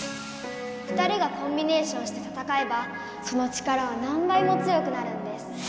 ２人がコンビネーションして戦えばその力は何ばいも強くなるんです。